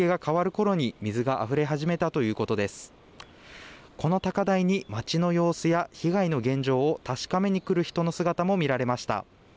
この高台に町の様子や被害の現状を確かめに来る人の姿も見られました。